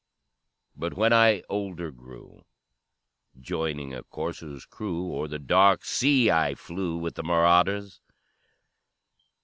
"But when I older grew, Joining a corsair's crew, O'er the dark sea I flew With the marauders.